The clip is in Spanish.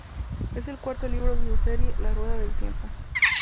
Es el cuarto libro de su serie "La rueda del tiempo".